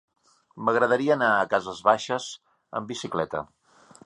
M'agradaria anar a Cases Baixes amb bicicleta.